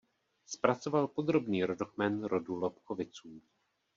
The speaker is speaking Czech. Zpracoval podrobný rodokmen rodu Lobkoviců.